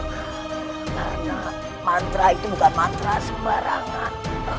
karena mantra itu bukan mantra sembarangan